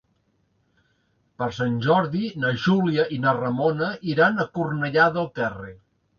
Per Sant Jordi na Júlia i na Ramona iran a Cornellà del Terri.